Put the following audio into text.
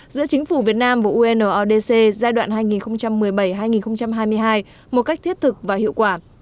giữa chính phủ việt nam và unodc giai đoạn hai nghìn một mươi bảy hai nghìn hai mươi hai một cách thiết thực và hiệu quả